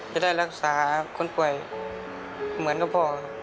อยากได้รักษาคนป่วยเหมือนกับพ่อ